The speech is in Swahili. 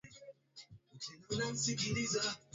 wanawake hujishughulisha na kilimo kwa wingi vijijini